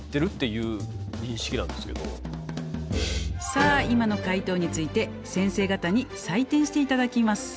さあ今の解答について先生方に採点して頂きます。